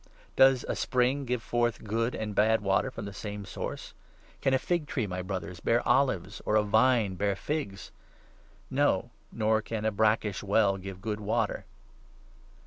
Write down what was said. Does a spring 1 1 give both good and bad water from the same source ? Can a 12 fig tree, my Brothers, bear olives ? or a vine bear figs ? No, nor can a brackish well give good water.